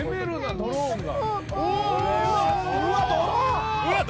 ドローンも。